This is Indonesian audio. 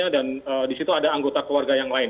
dan di situ ada anggota keluarga yang lain